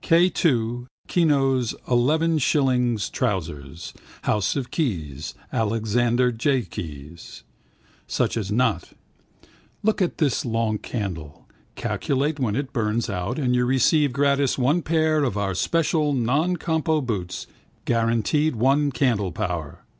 K. 11. Kino's 11/— Trousers. House of Keys. Alexander J. Keyes. Such as not? Look at this long candle. Calculate when it burns out and you receive gratis 1 pair of our special non compo boots, guaranteed 1 candle power.